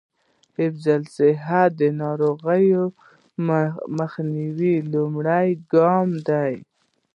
حفظ الصحه د ناروغیو مخنیوي لومړنی ګام دی.